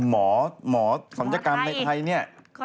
หมอศัลยกรรมในไทย